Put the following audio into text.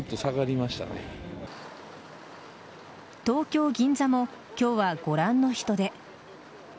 東京・銀座も今日はご覧の人出。